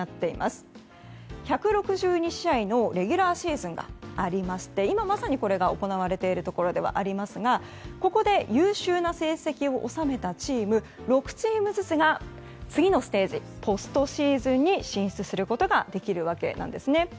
１６２試合のレギュラーシーズンがありまして今まさに、これが行われているところではありますがここで優秀な成績を収めたチーム６チームずつが次のステージ、ポストシーズンに進出することができるわけです。